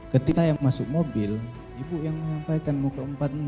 ketika yang masuk mobil ibu yang menyampaikan mau ke empat puluh enam